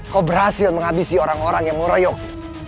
kau berhasil menghabisi orang orang yang mengeroyok